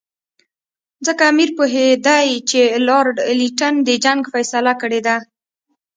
ځکه امیر پوهېدی چې لارډ لیټن د جنګ فیصله کړې ده.